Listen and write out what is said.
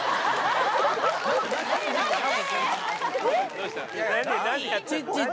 どうした？